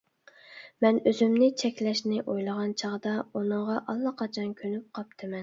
مەن ئۆزۈمنى چەكلەشنى ئويلىغان چاغدا ئۇنىڭغا ئاللىقاچان كۆنۈپ قاپتىمەن.